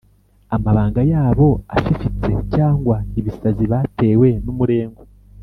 amabanga yabo afifitse, cyangwa ibisazi batewe n’umurengwe,